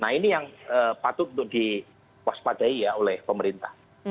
nah ini yang patut untuk diwaspadai ya oleh pemerintah